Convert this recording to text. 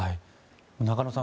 中野さん